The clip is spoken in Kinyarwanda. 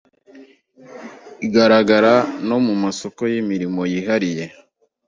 igaragara no mu masoko yimirimo yihariye